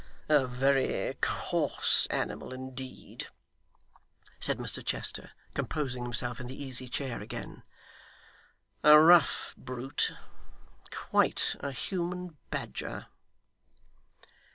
A very coarse animal, indeed!' said Mr Chester, composing himself in the easy chair again. 'A rough brute. Quite a human badger!